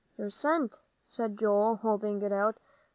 "Your cent," said Joel, holding it out.